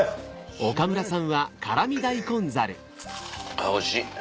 あっおいしい。